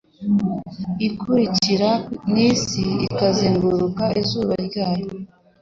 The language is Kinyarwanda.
ikurikira nisi ikazeguruka izuba nayo